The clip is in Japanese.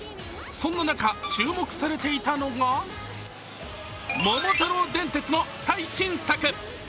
そんな中、注目されていたのが「桃太郎電鉄」の最新作。